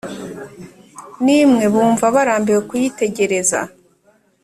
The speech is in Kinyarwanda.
n’imwe bumva barambiwe kuyitegereza